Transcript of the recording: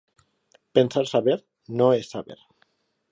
Pensar saber no és saber.